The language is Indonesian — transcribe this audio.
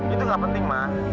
itu nggak penting ma